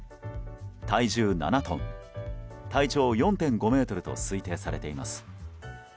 体重７トン、体長４．５ｍと推定されています。